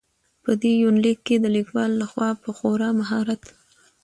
په دې يونليک کې د ليکوال لخوا په خورا مهارت.